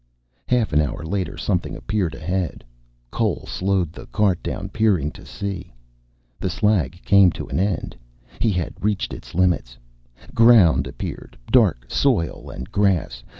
Half an hour later something appeared ahead. Cole slowed the cart down, peering to see. The slag came to an end. He had reached its limits. Ground appeared, dark soil and grass.